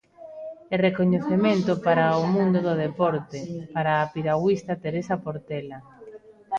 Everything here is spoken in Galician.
E recoñecemento para o mundo do deporte, para a piragüista Teresa Portela.